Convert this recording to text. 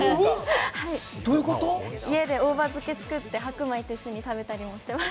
家で大葉漬けを作って、白米と一緒に食べたりしてます。